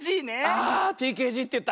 あＴＫＧっていった。